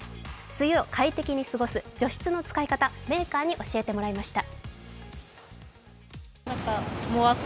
梅雨を快適に過ごす除湿の使い方、メーカーに教えてもらいました。